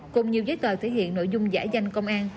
cùng nhiều giấy tờ thể hiện nội dung giả danh công an